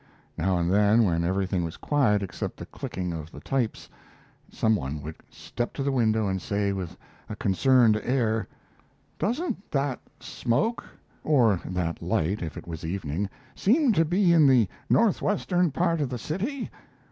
Now and then, when everything was quiet except the clicking of the types, some one would step to the window and say with a concerned air: "Doesn't that smoke [or that light, if it was evening] seem to be in the northwestern part of the city?"